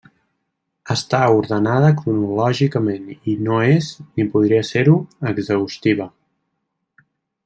Està ordenada cronològicament i no és, ni podria ser-ho, exhaustiva.